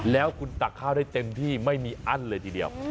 แล้วคุณตักข้าวได้เต็มที่ไม่มีอั้นเลยทีเดียว